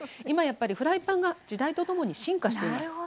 今やっぱりフライパンが時代とともに進化しています。